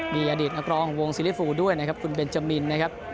มีอดีตนักร้องวงซีริฟูด้วยนะครับคุณเบนจามินนะครับ